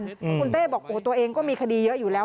คุณเต้บอกตัวเองก็มีคดีเยอะอยู่แล้ว